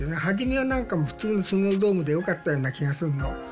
初めは何かもう普通のスノードームでよかったような気がするの。